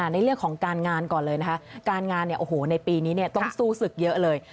ในเรื่องของการงานก่อนเลยนะคะการงานในปีนี้ต้องสู้ศึกเยอะเลย